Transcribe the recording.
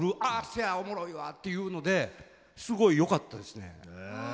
せやおもろいわっていうのですごいよかったですね。